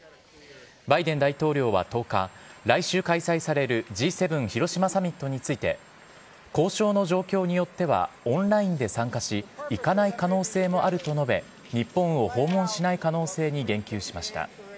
バイデン大統領は１０日来週開催されるＧ７広島サミットについて交渉の状況によってはオンラインで参加し行かない可能性もあると述べ日本を訪問しない可能性に言及しました。